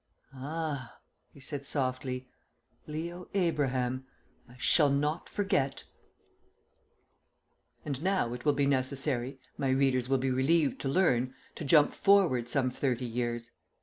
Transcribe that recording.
"Ah!" he said softly. "Leo Abraham! I shall not forget!" ..... And now it will be necessary (my readers will be relieved to learn) to jump forward some thirty years.